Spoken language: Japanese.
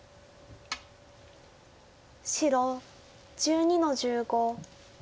白１２の十五。